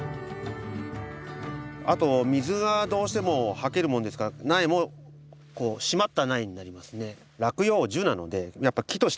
あと水がどうしてもはけるもんですから苗も締まった苗になりますね。